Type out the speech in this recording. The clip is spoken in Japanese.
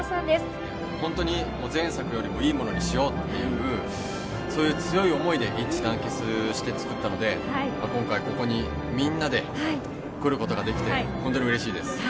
本当に前作よりもいいものにしようっていう、そういう強い思いで一致団結して作ったので、今回、ここにみんなで来ることができて、本当にうれしいです。